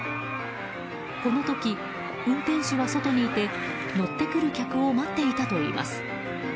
この時、運転手は外にいて乗ってくる客を待っていたといいます。